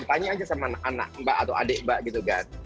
tanya aja sama anak mbak atau adik mbak gitu kan